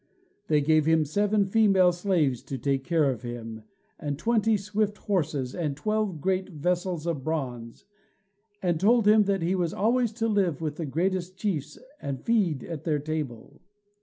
They gave him seven female slaves to take care of him, and twenty swift horses, and twelve great vessels of bronze, and told him that he was always to live with the greatest chiefs and feed at their table.